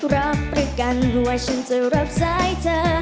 รับประกันว่าฉันจะรับสายเธอ